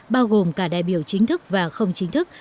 bao gồm cả đại biểu chính thức và không chính thức